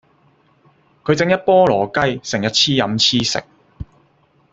佢正一菠蘿雞成日黐飲黐食